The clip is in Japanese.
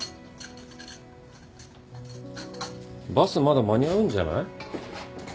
バスまだ間に合うんじゃない？